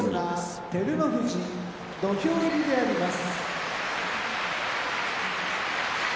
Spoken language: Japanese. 横綱照ノ富士土俵入りであります。